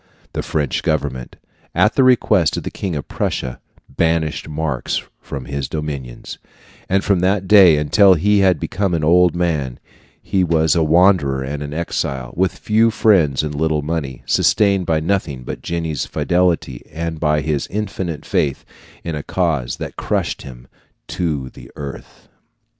The French government, at the request of the King of Prussia, banished Marx from its dominions; and from that day until he had become an old man he was a wanderer and an exile, with few friends and little money, sustained by nothing but Jenny's fidelity and by his infinite faith in a cause that crushed him to the earth.